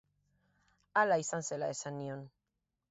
Hala izan zela esan nion.